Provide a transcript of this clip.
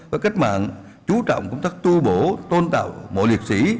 và cách mạng chú trọng công tác tu bổ tôn tạo mộ liệt sĩ